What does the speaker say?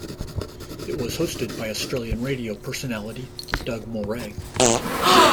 It was hosted by Australian radio personality Doug Mulray.